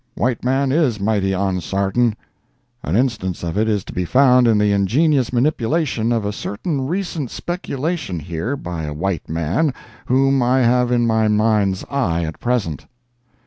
White man is mighty "onsartain." An instance of it is to be found in the ingenious manipulation of a certain recent speculation here by a white man whom I have in my mind's eye at present.